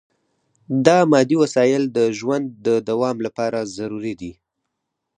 دا مادي وسایل د ژوند د دوام لپاره ضروري دي.